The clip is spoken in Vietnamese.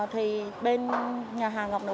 thì bên nhà hàng ngọc nữ